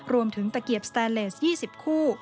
รวมถึงตะเกียบสแตนเลส๒๐คู่